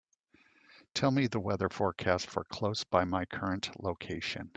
Tell me the weather forecast for close by my current location